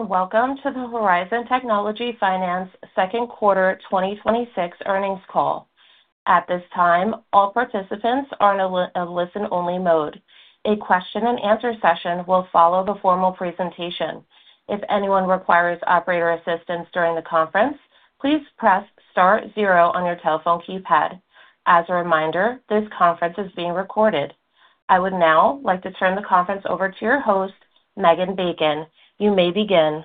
Welcome to the Horizon Technology Finance second quarter 2026 earnings call. At this time, all participants are in a listen-only mode. A question and answer session will follow the formal presentation. If anyone requires operator assistance during the conference, please press star zero on your telephone keypad. As a reminder, this conference is being recorded. I would now like to turn the conference over to your host, Megan Bacon. You may begin.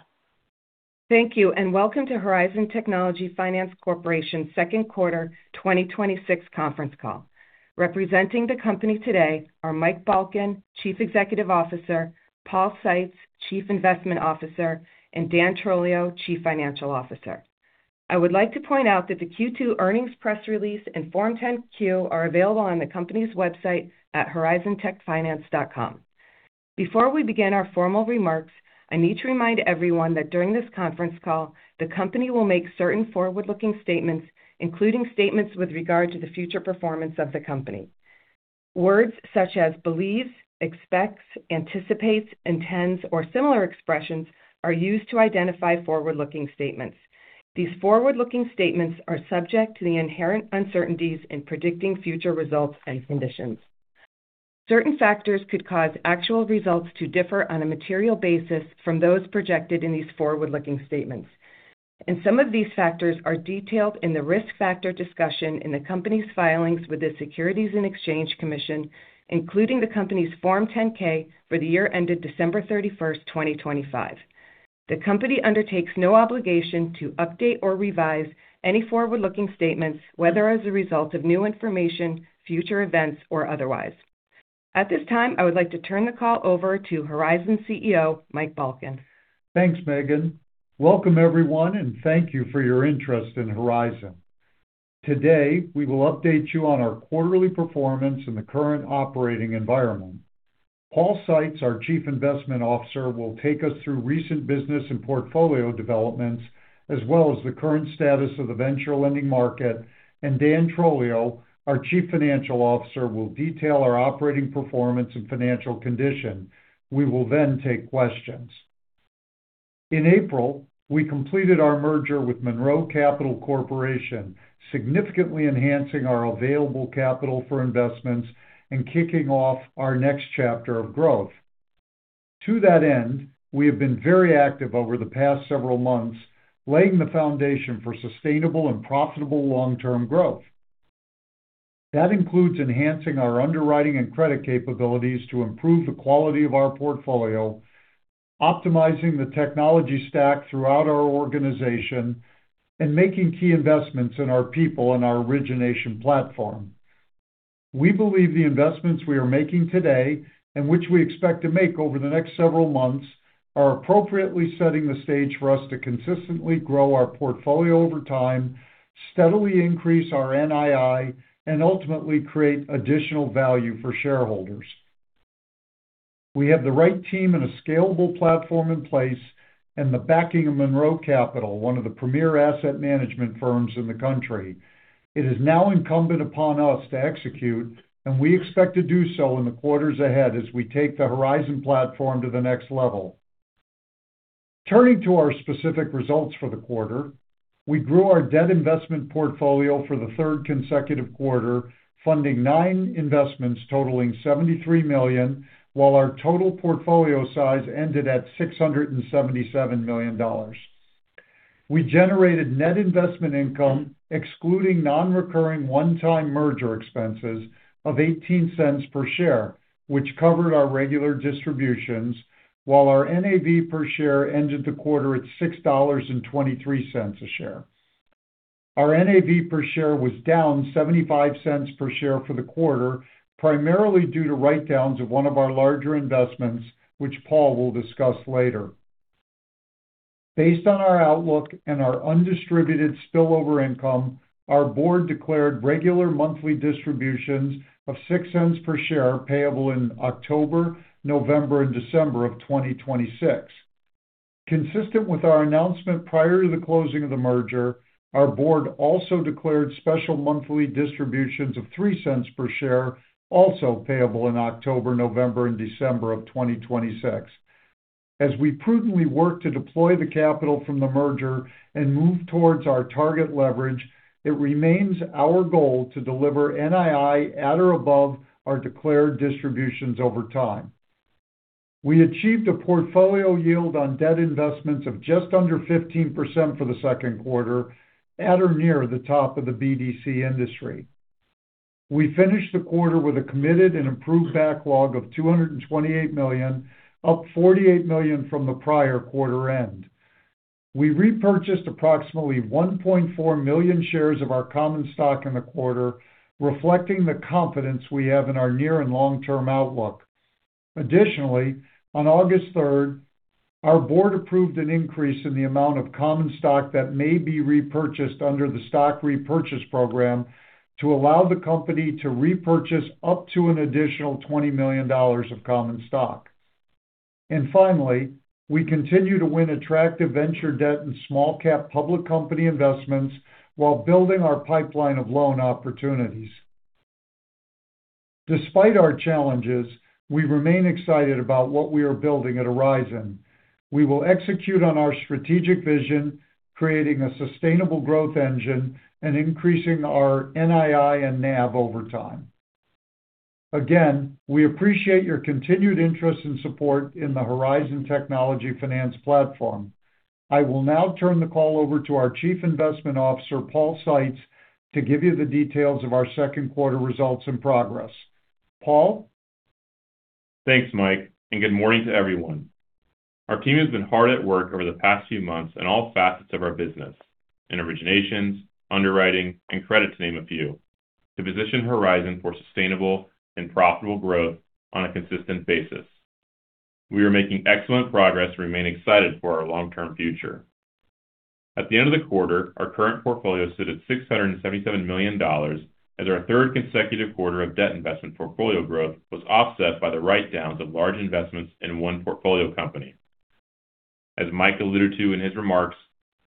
Thank you, welcome to Horizon Technology Finance Corporation second quarter 2026 conference call. Representing the company today are Mike Balkin, Chief Executive Officer, Paul Seitz, Chief Investment Officer, and Dan Trolio, Chief Financial Officer. I would like to point out that the Q2 earnings press release and Form 10-Q are available on the company's website at horizontechfinance.com. Before we begin our formal remarks, I need to remind everyone that during this conference call, the company will make certain forward-looking statements, including statements with regard to the future performance of the company. Words such as believes, expects, anticipates, intends, or similar expressions are used to identify forward-looking statements. These forward-looking statements are subject to the inherent uncertainties in predicting future results and conditions. Certain factors could cause actual results to differ on a material basis from those projected in these forward-looking statements. Some of these factors are detailed in the risk factor discussion in the company's filings with the Securities and Exchange Commission, including the company's Form 10-K for the year ended December 31st, 2025. The company undertakes no obligation to update or revise any forward-looking statements, whether as a result of new information, future events, or otherwise. At this time, I would like to turn the call over to Horizon CEO, Mike Balkin. Thanks, Megan. Welcome everyone, thank you for your interest in Horizon. Today, we will update you on our quarterly performance in the current operating environment. Paul Seitz, our Chief Investment Officer, will take us through recent business and portfolio developments, as well as the current status of the venture lending market. Dan Trolio, our Chief Financial Officer, will detail our operating performance and financial condition. We will then take questions. In April, we completed our merger with Monroe Capital Corporation, significantly enhancing our available capital for investments and kicking off our next chapter of growth. To that end, we have been very active over the past several months, laying the foundation for sustainable and profitable long-term growth. That includes enhancing our underwriting and credit capabilities to improve the quality of our portfolio, optimizing the technology stack throughout our organization, and making key investments in our people and our origination platform. We believe the investments we are making today, and which we expect to make over the next several months, are appropriately setting the stage for us to consistently grow our portfolio over time, steadily increase our NII, and ultimately create additional value for shareholders. We have the right team and a scalable platform in place and the backing of Monroe Capital, one of the premier asset management firms in the country. It is now incumbent upon us to execute, and we expect to do so in the quarters ahead as we take the Horizon platform to the next level. Turning to our specific results for the quarter, we grew our debt investment portfolio for the third consecutive quarter, funding nine investments totaling $73 million, while our total portfolio size ended at $677 million. We generated net investment income excluding non-recurring one-time merger expenses of $0.18 per share, which covered our regular distributions, while our NAV per share ended the quarter at $6.23 a share. Our NAV per share was down $0.75 per share for the quarter, primarily due to write-downs of one of our larger investments, which Paul will discuss later. Based on our outlook and our undistributed spillover income, our Board declared regular monthly distributions of $0.06 per share payable in October, November, and December of 2026. Consistent with our announcement prior to the closing of the merger, our Board also declared special monthly distributions of $0.03 per share, also payable in October, November, and December of 2026. As we prudently work to deploy the capital from the merger and move towards our target leverage, it remains our goal to deliver NII at or above our declared distributions over time. We achieved a portfolio yield on debt investments of just under 15% for the second quarter, at or near the top of the BDC industry. We finished the quarter with a committed and approved backlog of $228 million, up $48 million from the prior quarter end. We repurchased approximately 1.4 million shares of our common stock in the quarter, reflecting the confidence we have in our near and long-term outlook. Additionally, on August 3rd, our Board approved an increase in the amount of common stock that may be repurchased under the stock repurchase program to allow the company to repurchase up to an additional $20 million of common stock. Finally, we continue to win attractive venture debt and small cap public company investments while building our pipeline of loan opportunities. Despite our challenges, we remain excited about what we are building at Horizon. We will execute on our strategic vision, creating a sustainable growth engine and increasing our NII and NAV over time. Again, we appreciate your continued interest and support in the Horizon Technology Finance platform. I will now turn the call over to our Chief Investment Officer, Paul Seitz, to give you the details of our second quarter results and progress. Paul? Thanks, Mike, and good morning to everyone. Our team has been hard at work over the past few months in all facets of our business, in originations, underwriting, and credit, to name a few, to position Horizon for sustainable and profitable growth on a consistent basis. We are making excellent progress and remain excited for our long-term future. At the end of the quarter, our current portfolio stood at $677 million as our third consecutive quarter of debt investment portfolio growth was offset by the write-downs of large investments in one portfolio company. As Mike alluded to in his remarks,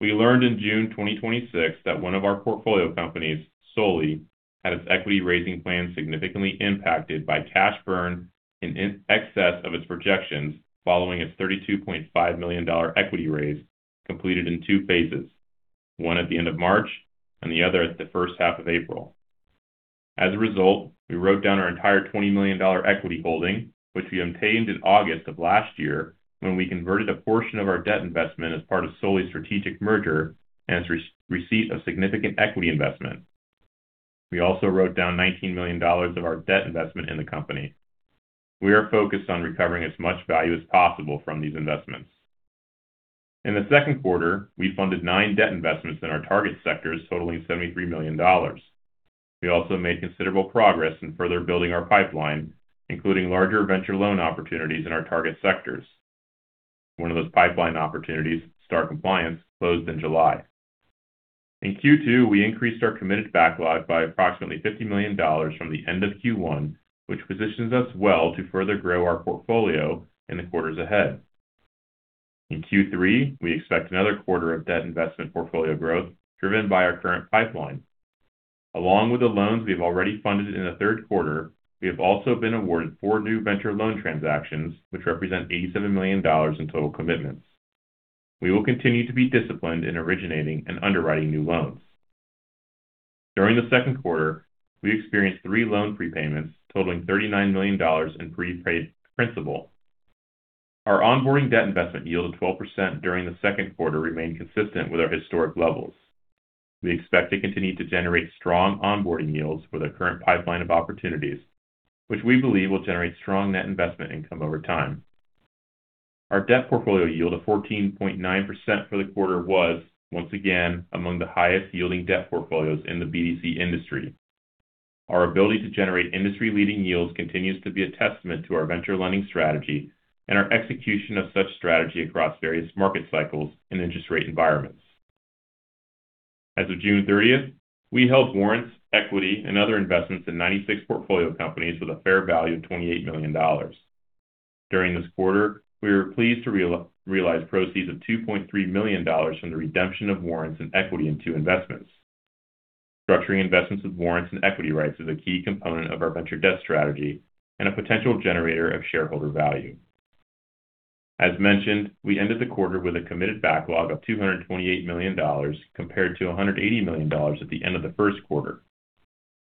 we learned in June 2026 that one of our portfolio companies, Soli, had its equity-raising plan significantly impacted by cash burn in excess of its projections following its $32.5 million equity raise completed in two phases, one at the end of March and the other at the first half of April. As a result, we wrote down our entire $20 million equity holding, which we obtained in August of last year when we converted a portion of our debt investment as part of Soli's strategic merger and its receipt of significant equity investment. We also wrote down $19 million of our debt investment in the company. We are focused on recovering as much value as possible from these investments. In the second quarter, we funded nine debt investments in our target sectors totaling $73 million. We also made considerable progress in further building our pipeline, including larger venture loan opportunities in our target sectors. One of those pipeline opportunities, StarCompliance, closed in July. In Q2, we increased our committed backlog by approximately $50 million from the end of Q1, which positions us well to further grow our portfolio in the quarters ahead. In Q3, we expect another quarter of debt investment portfolio growth driven by our current pipeline. Along with the loans we've already funded in the third quarter, we have also been awarded four new venture loan transactions, which represent $87 million in total commitments. We will continue to be disciplined in originating and underwriting new loans. During the second quarter, we experienced three loan prepayments totaling $39 million in prepaid principal. Our onboarding debt investment yield of 12% during the second quarter remained consistent with our historic levels. We expect to continue to generate strong onboarding yields for the current pipeline of opportunities, which we believe will generate strong net investment income over time. Our debt portfolio yield of 14.9% for the quarter was, once again, among the highest-yielding debt portfolios in the BDC industry. Our ability to generate industry-leading yields continues to be a testament to our venture lending strategy and our execution of such strategy across various market cycles and interest rate environments. As of June 30th, we held warrants, equity, and other investments in 96 portfolio companies with a fair value of $28 million. During this quarter, we were pleased to realize proceeds of $2.3 million from the redemption of warrants and equity in two investments. Structuring investments with warrants and equity rights is a key component of our venture debt strategy and a potential generator of shareholder value. As mentioned, we ended the quarter with a committed backlog of $228 million compared to $180 million at the end of the first quarter.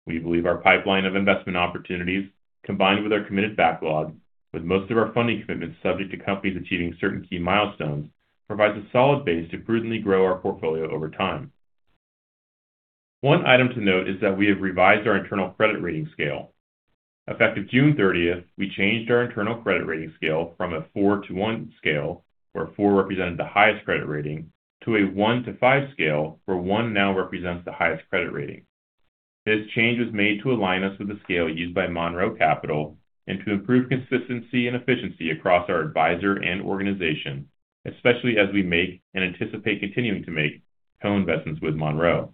We believe our pipeline of investment opportunities, combined with our committed backlog, with most of our funding commitments subject to companies achieving certain key milestones, provides a solid base to prudently grow our portfolio over time. One item to note is that we have revised our internal credit rating scale. Effective June 30th, we changed our internal credit rating scale from a 4 to 1 scale, where a 4 represented the highest credit rating, to a 1 to 5 scale, where 1 now represents the highest credit rating. This change was made to align us with the scale used by Monroe Capital and to improve consistency and efficiency across our advisor and organization, especially as we make and anticipate continuing to make co-investments with Monroe.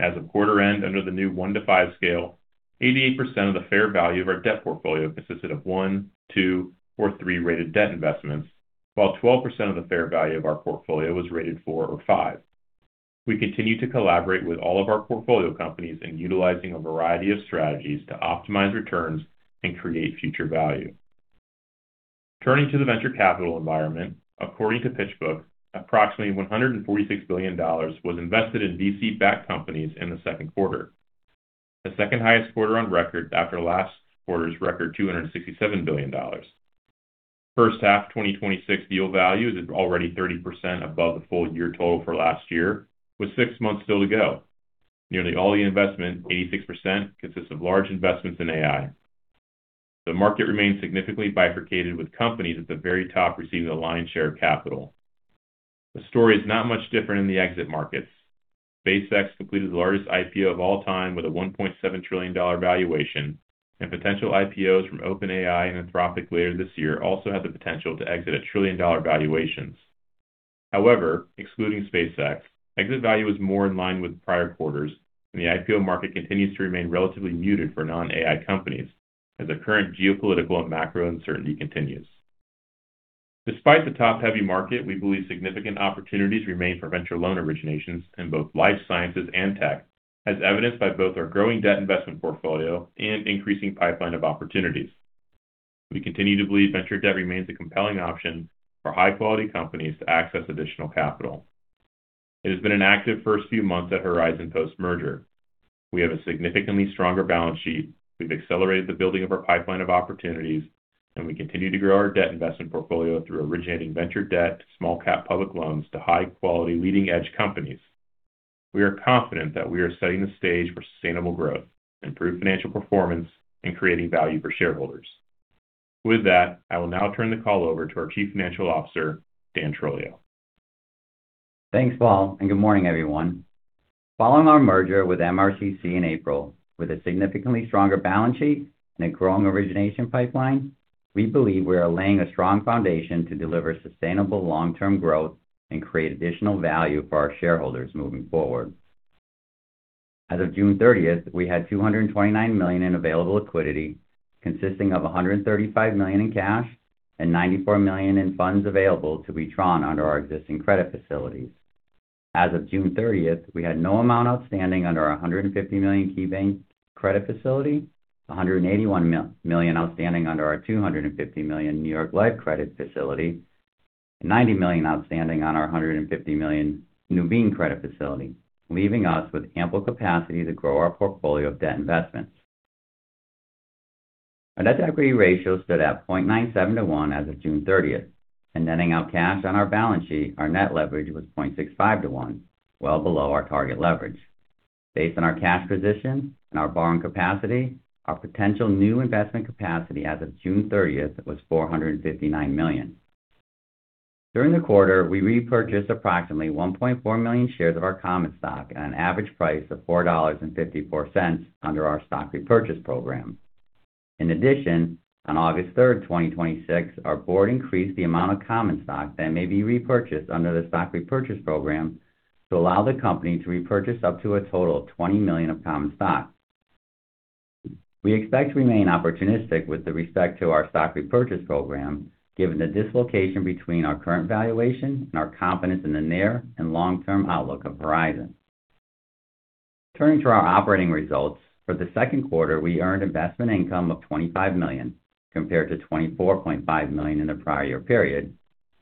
As of quarter end, under the new 1 to 5 scale, 88% of the fair value of our debt portfolio consisted of 1, 2, or 3-rated debt investments, while 12% of the fair value of our portfolio was rated 4 or 5. We continue to collaborate with all of our portfolio companies in utilizing a variety of strategies to optimize returns and create future value. Turning to the venture capital environment, according to PitchBook, approximately $146 billion was invested in VC-backed companies in the second quarter, the second highest quarter on record after last quarter's record $267 billion. First half 2026 deal value is already 30% above the full-year total for last year, with six months still to go. Nearly all the investment, 86%, consists of large investments in AI. The market remains significantly bifurcated, with companies at the very top receiving the lion's share of capital. The story is not much different in the exit markets. SpaceX completed the largest IPO of all time with a $1.7 trillion valuation, and potential IPOs from OpenAI and Anthropic later this year also have the potential to exit at trillion-dollar valuations. However, excluding SpaceX, exit value is more in line with prior quarters, and the IPO market continues to remain relatively muted for non-AI companies as the current geopolitical and macro uncertainty continues. Despite the top-heavy market, we believe significant opportunities remain for venture loan originations in both life sciences and tech, as evidenced by both our growing debt investment portfolio and increasing pipeline of opportunities. We continue to believe venture debt remains a compelling option for high-quality companies to access additional capital. It has been an active first few months at Horizon post-merger. We have a significantly stronger balance sheet. We've accelerated the building of our pipeline of opportunities. We continue to grow our debt investment portfolio through originating venture debt, small cap public loans to high-quality leading-edge companies. We are confident that we are setting the stage for sustainable growth, improved financial performance, and creating value for shareholders. With that, I will now turn the call over to our Chief Financial Officer, Dan Trolio. Thanks, Paul, good morning, everyone. Following our merger with MRCC in April, with a significantly stronger balance sheet and a growing origination pipeline, we believe we are laying a strong foundation to deliver sustainable long-term growth and create additional value for our shareholders moving forward. As of June 30th, we had $229 million in available liquidity, consisting of $135 million in cash and $94 million in funds available to be drawn under our existing credit facilities. As of June 30th, we had no amount outstanding under our $150 million KeyBank credit facility, $181 million outstanding under our $250 million New York Life credit facility, and $90 million outstanding on our $150 million Nuveen credit facility, leaving us with ample capacity to grow our portfolio of debt investments. Our debt-to-equity ratio stood at 0.97:1 as of June 30th, netting out cash on our balance sheet, our net leverage was 0.65:1, well below our target leverage. Based on our cash position and our borrowing capacity, our potential new investment capacity as of June 30th was $459 million. During the quarter, we repurchased approximately 1.4 million shares of our common stock at an average price of $4.54 under our stock repurchase program. In addition, on August 3rd, 2026, our Board increased the amount of common stock that may be repurchased under the stock repurchase program to allow the company to repurchase up to a total of 20 million of common stock. We expect to remain opportunistic with respect to our stock repurchase program, given the dislocation between our current valuation and our confidence in the near and long-term outlook of Horizon. Turning to our operating results. For the second quarter, we earned investment income of $25 million compared to $24.5 million in the prior year period,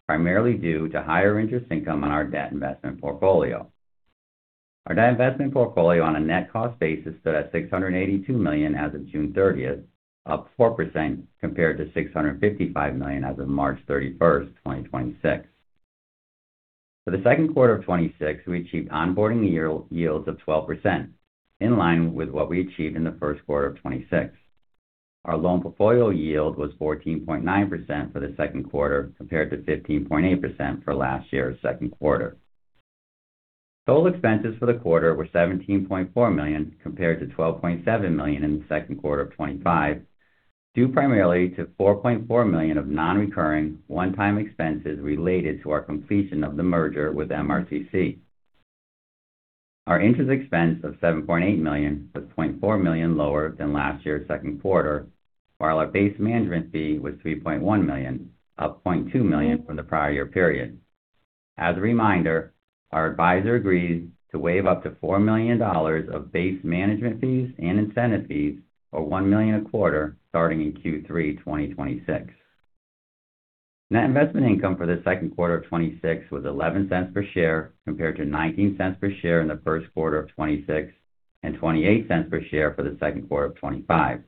primarily due to higher interest income on our debt investment portfolio. Our debt investment portfolio on a net cost basis stood at $682 million as of June 30th, up 4% compared to $655 million as of March 31st, 2026. For the second quarter of 2026, we achieved onboarding yields of 12%, in line with what we achieved in the first quarter of 2026. Our loan portfolio yield was 14.9% for the second quarter, compared to 15.8% for last year's second quarter. Total expenses for the quarter were $17.4 million, compared to $12.7 million in the second quarter of 2025, due primarily to $4.4 million of non-recurring, one-time expenses related to our completion of the merger with MRCC. Our interest expense of $7.8 million was $0.4 million lower than last year's second quarter, while our base management fee was $3.1 million, up $0.2 million from the prior year period. As a reminder, our advisor agreed to waive up to $4 million of base management fees and incentive fees, or $1 million a quarter, starting in Q3 2026. Net investment income for the second quarter of 2026 was $0.11 per share, compared to $0.19 per share in the first quarter of 2026 and $0.28 per share for the second quarter of 2025.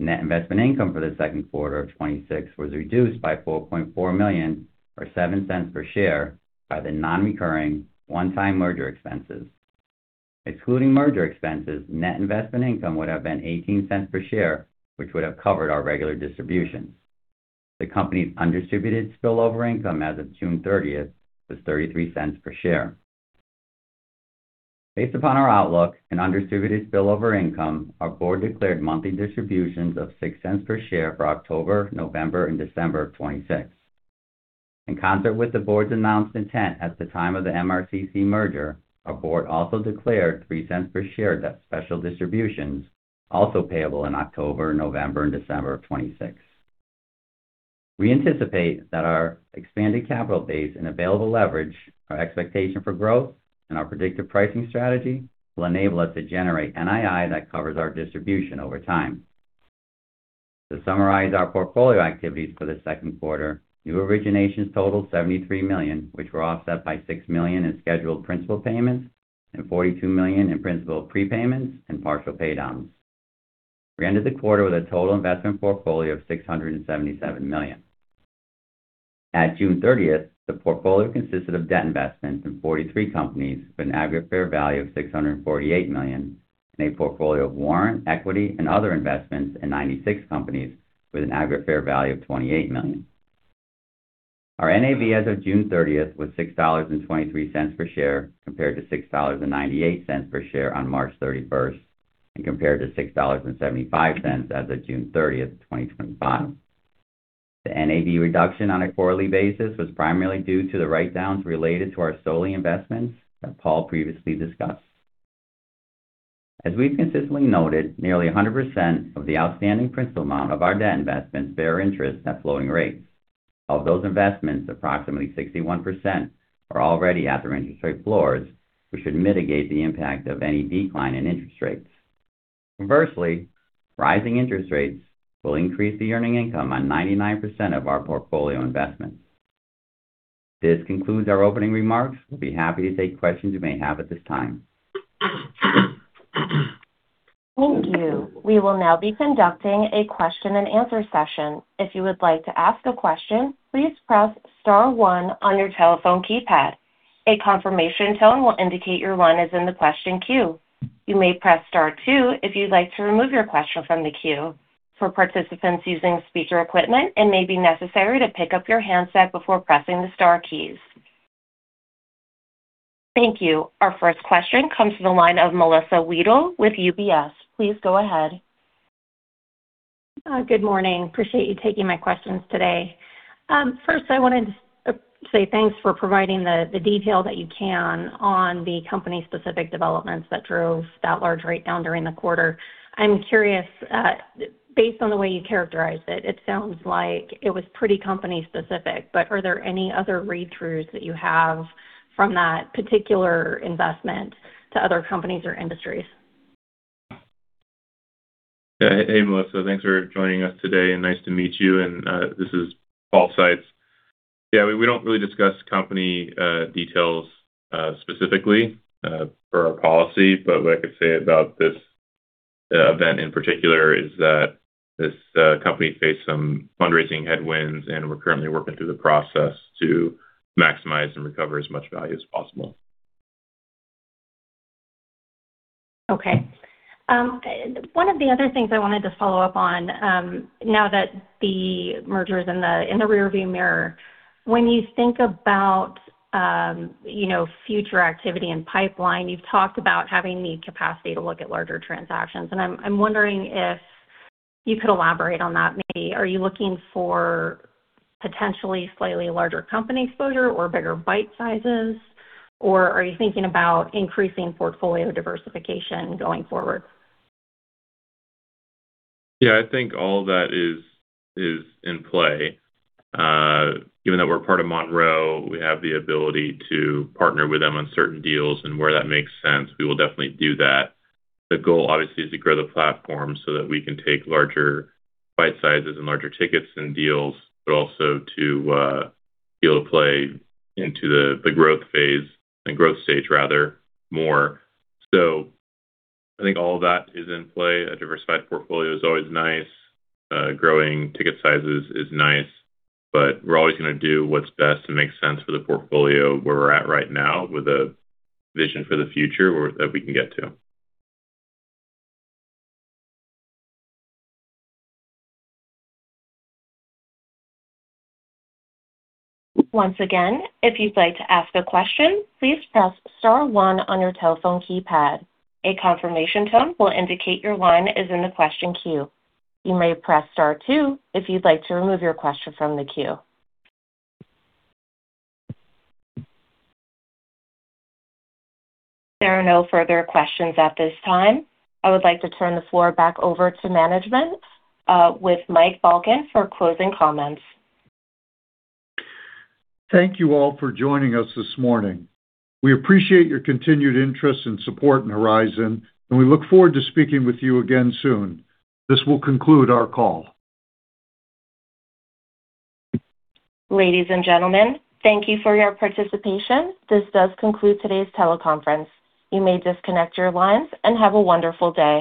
Net investment income for the second quarter of 2026 was reduced by $4.4 million, or $0.07 per share by the non-recurring, one-time merger expenses. Excluding merger expenses, net investment income would have been $0.18 per share, which would have covered our regular distributions. The company's undistributed spillover income as of June 30th was $0.33 per share. Based upon our outlook and undistributed spillover income, our Board declared monthly distributions of $0.06 per share for October, November, and December of 2026. In concert with the Board's announced intent at the time of the MRCC merger, our Board also declared $0.03 per share debt special distributions, also payable in October, November, and December of 2026. We anticipate that our expanded capital base and available leverage, our expectation for growth, and our predictive pricing strategy will enable us to generate NII that covers our distribution over time. To summarize our portfolio activities for the second quarter, new originations totaled $73 million, which were offset by $6 million in scheduled principal payments and $42 million in principal prepayments and partial paydowns. We ended the quarter with a total investment portfolio of $677 million. At June 30th, the portfolio consisted of debt investments in 43 companies with an aggregate fair value of $648 million and a portfolio of warrant, equity, and other investments in 96 companies with an aggregate fair value of $28 million. Our NAV as of June 30th was $6.23 per share compared to $6.98 per share on March 31st, and compared to $6.75 as of June 30th, 2025. The NAV reduction on a quarterly basis was primarily due to the write-downs related to our Soli investment that Paul previously discussed. As we've consistently noted, nearly 100% of the outstanding principal amount of our debt investments bear interest at flowing rates. Of those investments, approximately 61% are already at their interest rate floors, which should mitigate the impact of any decline in interest rates. Conversely, rising interest rates will increase the earning income on 99% of our portfolio investments. This concludes our opening remarks. We'll be happy to take questions you may have at this time. Thank you. We will now be conducting a question and answer session. If you would like to ask a question, please press star one on your telephone keypad. A confirmation tone will indicate your line is in the question queue. You may press star two if you'd like to remove your question from the queue. For participants using speaker equipment, it may be necessary to pick up your handset before pressing the star keys. Thank you. Our first question comes from the line of Melissa Wedel with UBS. Please go ahead. Good morning. Appreciate you taking my questions today. First I wanted to say thanks for providing the detail that you can on the company-specific developments that drove that large write-down during the quarter. I'm curious, based on the way you characterized it sounds like it was pretty company-specific, but are there any other read-throughs that you have from that particular investment to other companies or industries? Hey, Melissa. Thanks for joining us today and nice to meet you. This is Paul Seitz. Yeah, we don't really discuss company details specifically per our policy. What I could say about this event in particular is that this company faced some fundraising headwinds, and we're currently working through the process to maximize and recover as much value as possible. Okay. One of the other things I wanted to follow up on, now that the merger's in the rearview mirror, when you think about future activity and pipeline, you've talked about having the capacity to look at larger transactions, and I'm wondering if you could elaborate on that. Maybe are you looking for potentially slightly larger company exposure or bigger bite-sizes, or are you thinking about increasing portfolio diversification going forward? Yeah, I think all that is in play. Given that we're part of Monroe, we have the ability to partner with them on certain deals, and where that makes sense, we will definitely do that. The goal, obviously, is to grow the platform so that we can take larger bite-sizes and larger tickets and deals, also to be able to play into the growth phase, and growth stage rather, more. I think all of that is in play. A diversified portfolio is always nice. Growing ticket sizes is nice. We're always going to do what's best and makes sense for the portfolio where we're at right now with a vision for the future that we can get to. Once again, if you'd like to ask a question, please press star one on your telephone keypad. A confirmation tone will indicate your line is in the question queue. You may press star two if you'd like to remove your question from the queue. There are no further questions at this time. I would like to turn the floor back over to management with Mike Balkin for closing comments. Thank you all for joining us this morning. We appreciate your continued interest and support in Horizon. We look forward to speaking with you again soon. This will conclude our call. Ladies and gentlemen, thank you for your participation. This does conclude today's teleconference. You may disconnect your lines and have a wonderful day.